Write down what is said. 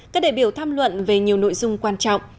các đại biểu tham luận về nhiều nội dung quan trọng